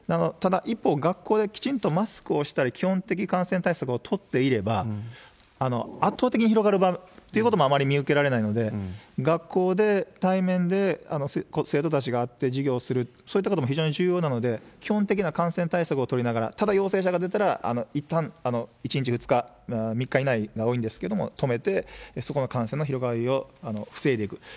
ただ、一方、学校できちんとマスクをしたり、基本的感染対策を取っていれば、圧倒的に広がるってこともあまり見受けられないので、学校で対面で生徒たちが会って授業をする、そういったことも非常に重要なので、基本的な感染対策を取りながら、ただ陽性者が出たら、いったん１日、２日、３日以内が多いんですけども、止めて、そこの感染の広がりを防いでいく。